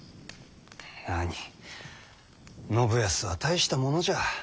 なに信康は大したものじゃ。